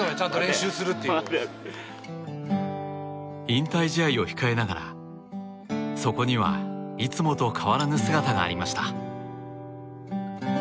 引退試合を控えながらそこには、いつもと変わらぬ姿がありました。